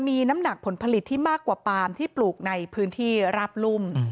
มีน้ำหนักผลผลิตที่มากกว่าปาล์มที่ปลูกในพื้นที่ราบรุ่ม